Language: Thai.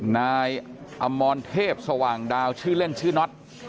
นายอมรเทพสว่างดาวชื่อเล่นชื่อน็อต